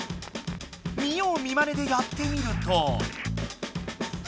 見よう見まねでやってみると？